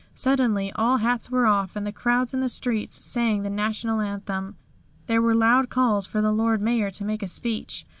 Suddenly all hats were off, and the crowds in the streets sang the National Anthem. There were loud calls for the Lord Mayor to make a speech.